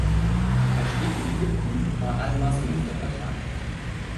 Er steht in Ägypten bei al-Masry unter Vertrag.